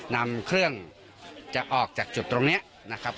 นำเครื่องจะออกจากจุดตรงนี้นะครับ